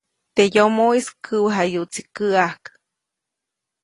Teʼ yomoʼis käʼwejayuʼtsi käʼäjk.